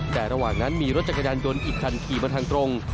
แต่ระหว่างนั้นมีรถจักรยานยนต์อีกคันขี่มาทางตรง